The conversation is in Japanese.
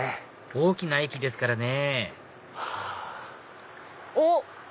大きな駅ですからねおっ！